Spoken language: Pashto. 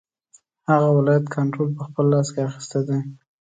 هغه ولایت کنټرول په خپل لاس کې اخیستی دی.